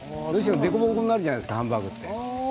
でこぼこになるじゃないですかハンバーグって。